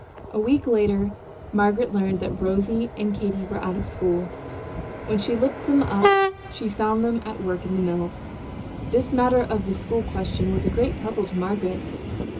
A week later Margaret learned that Rosy and Katy were out of school. When she looked them up she found them at work in the mills. This matter of the school question was a great puzzle to Margaret.